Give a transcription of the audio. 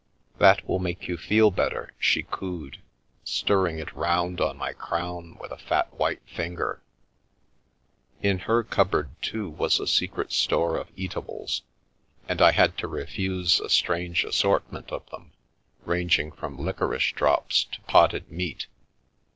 " That will make you feel better," she cooed, stirring it round on my crown with a fat white finger. In her cupboard too was a secret store of eatables, and I had I Get Me to a Nunnery to refuse a strange assortment of them, ranging from liquorice drops to potted meat.